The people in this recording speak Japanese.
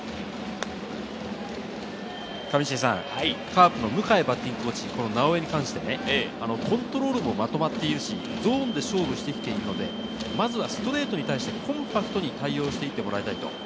カープの迎バッティングコーチは直江に関して、コントロールもまとまっているし、ゾーンで勝負しているので、ストレートに対してコンパクトに対応していってもらいたい。